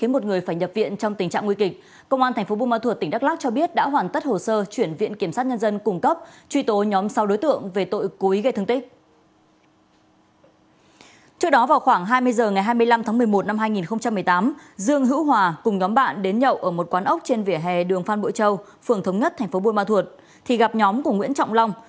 bây giờ ngày hai mươi năm tháng một mươi một năm hai nghìn một mươi tám dương hữu hòa cùng nhóm bạn đến nhậu ở một quán ốc trên vỉa hè đường phan bội châu phường thống nhất tp buôn ma thuột thì gặp nhóm của nguyễn trọng long